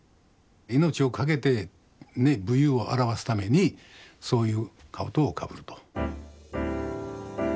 命を懸けてね武勇を表すためにそういう兜をかぶると。